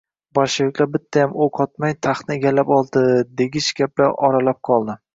Bolsheviklar bittayam o‘q otmay, taxtni egallab oldi, degich gaplar oralab qoldi.